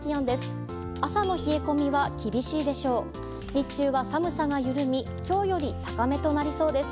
日中は寒さが緩み今日より高めとなりそうです。